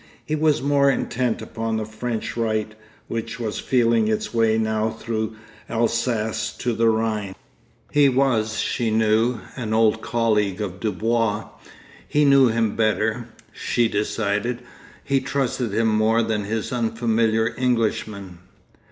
He was more intent upon the French right, which was feeling its way now through Alsace to the Rhine. He was, she knew, an old colleague of Dubois; he knew him better, she decided, he trusted him more than this unfamiliar Englishman....